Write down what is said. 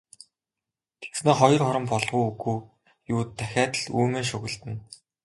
Тэгснээ хоёр хором болов уу, үгүй юу дахиад л үймэн шуугилдана.